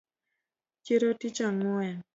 Chiro tich ang’wen